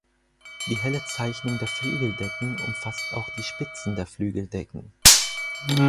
Die helle Zeichnung der Flügeldecken umfasst auch die Spitzen der Flügeldecken.